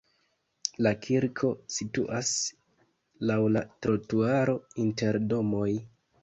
La kirko situas laŭ la trotuaro inter domoj.